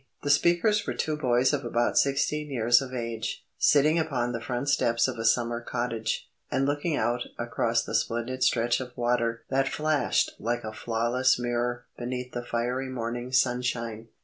The speakers were two boys of about sixteen years of age, sitting upon the front steps of a summer cottage, and looking out across the splendid stretch of water that flashed like a flawless mirror beneath the fiery morning sunshine.